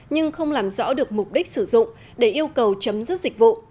nhưng không làm rõ được mục đích sử dụng để yêu cầu chấm dứt dịch vụ